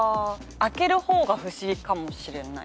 開ける方が不思議かもしれない。